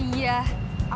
ini diri arrangannya